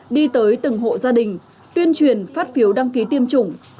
đi tới từng hộ gia đình tuyên truyền phát phiếu đăng ký tiêm chủng